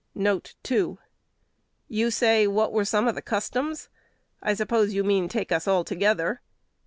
2 "You say, What were some of the customs? I suppose you mean take us all together.